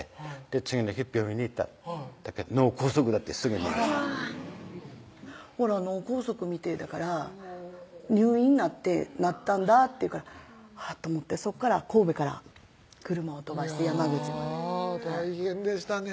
次の日病院に行った脳梗塞だってすぐに「おら脳梗塞みてぇだから入院なったんだ」って言うからあぁっと思ってそこから神戸から車を飛ばして山口まで大変でしたね